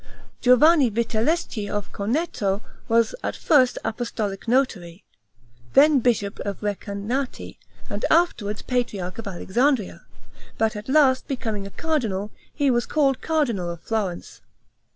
Giovanni Vitelleschi of Corneto was at first apostolic notary, then bishop of Recanati, and afterward patriarch of Alexandria; but at last, becoming a cardinal, he was called Cardinal of Florence.